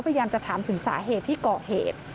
พยายามจะถามถึงสาเหตุที่ก่อเหตุ